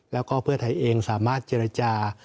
แล้วก็เพื่อไทยเองสามารถเจรจา